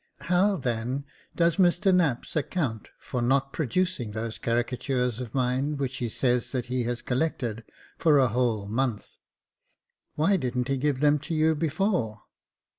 "How, then, does Mr Knapps account for not produc ing those caricatures of mine, which he says that he has collected for a whole month ? Why didn't he give them to you before